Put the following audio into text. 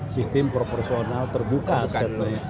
sistem proporsional terbuka setelah